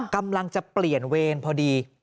กำลังจะเปลี่ยนเวรพอดี